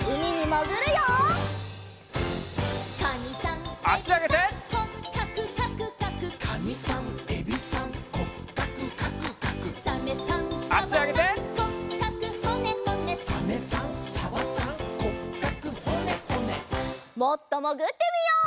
もっともぐってみよう！